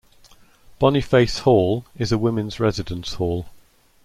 Boniface Hall is a women's residence hall.